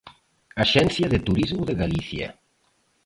Axencia de Turismo de Galicia.